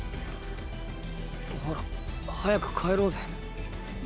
ほら早く帰ろうぜ。